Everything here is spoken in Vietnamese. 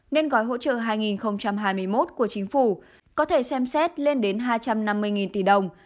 nên gói hỗ trợ hai nghìn hai mươi một của chính phủ có thể xem xét lên đến hai trăm năm mươi tỷ đồng